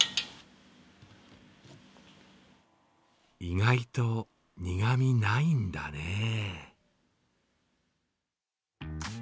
意外と苦みないんだねぇ。